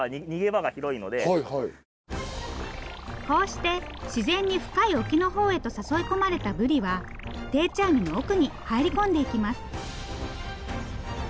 こうして自然に深い沖のほうへと誘い込まれたブリは定置網の奥に入り込んでいきます。